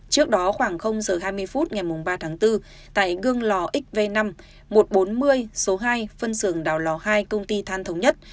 trước đó khoảng giờ hai mươi phút ngày ba tháng bốn tại gương lò xv năm một trăm bốn mươi số hai phân xưởng đào lò hai công ty than thống nhất